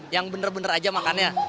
yang benar benar aja makannya